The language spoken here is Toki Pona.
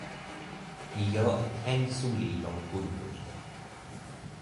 mi jo e ken suli lon kulupu ni.